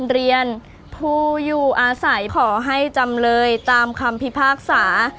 เรียนผู้อยู่อาศัยขอให้จำเลยตามคำพิพากษา